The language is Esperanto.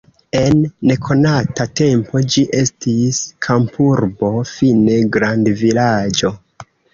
En nekonata tempo ĝi estis kampurbo, fine grandvilaĝo.